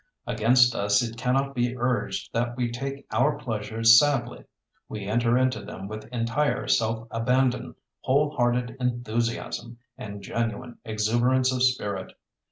Against us it cannot be urged that we take our pleasures sadly. We enter into them with entire self abandon, whole hearted enthusiasm, and genuine exuberance of spirit.